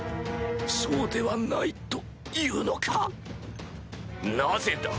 そうではないというのか⁉なぜだ！